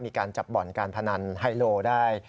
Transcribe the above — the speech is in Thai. มีการจับบ่อนการพนันไฮโลได้